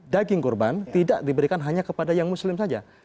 daging kurban tidak diberikan hanya kepada yang muslim saja